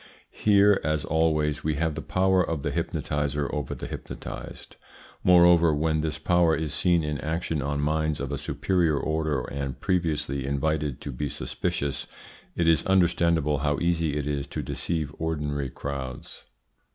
Here, as always, we have the power of the hypnotiser over the hypnotised. Moreover, when this power is seen in action on minds of a superior order and previously invited to be suspicious, it is understandable how easy it is to deceive ordinary crowds.